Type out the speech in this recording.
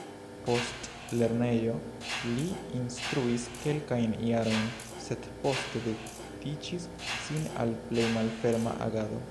Post lernejo, li instruis kelkajn jarojn, sed poste dediĉis sin al plej malferma agado.